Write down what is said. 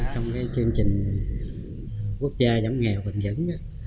trong chương trình quốc gia giảm nghèo bền dững